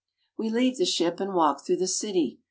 We leave the ship and walk through the city.